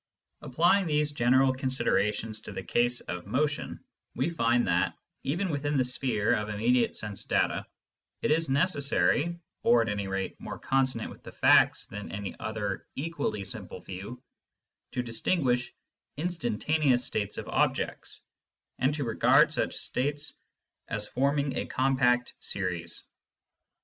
Applying these general considerations to the case of motion, we find that, even within the sphere of immediate sense data, it is necessary, or at any rate more consonant with the facts than any other equally simple view, to distinguish instantaneous states of objects, and to regard such states as forming a compact series.